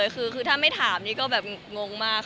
คือถ้าไม่ถามก็งงมาก